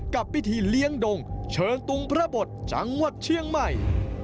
กับพิธีเลี้ยงดงเชิงตุงพระบทจังหวัดเชียงใหม่